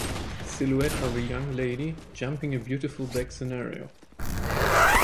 Silhouette of a young lady jumping a beautiful back scenario.